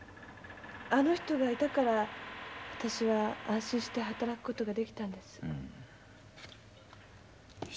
あの人がいたから私は安心して働く事ができたんです。